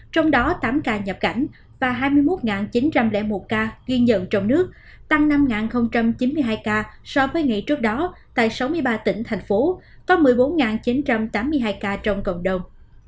trong đó tám ca nhập cảnh và hai mươi một chín trăm linh một ca ghi nhận trong nước tăng năm chín mươi hai ca so với ngày trước đó tại sáu mươi ba tỉnh thành phố có một mươi bốn chín trăm tám mươi hai ca trong cộng đồng